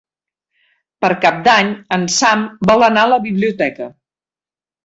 Per Cap d'Any en Sam vol anar a la biblioteca.